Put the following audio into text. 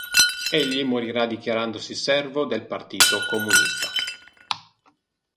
Egli morirà dichiarandosi servo del Partito Comunista.